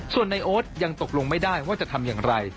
ส่วนในโอ๊ตยังตกลงไม่ได้ว่าจะทำอย่างไร